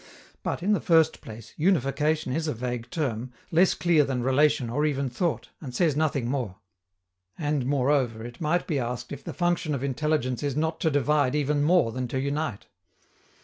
But, in the first place, "unification" is a vague term, less clear than "relation" or even "thought," and says nothing more. And, moreover, it might be asked if the function of intelligence is not to divide even more than to unite.